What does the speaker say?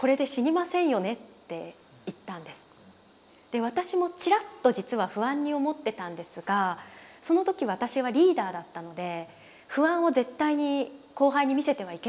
で私もチラッと実は不安に思ってたんですがその時私はリーダーだったので不安を絶対に後輩に見せてはいけないなと思ったんです。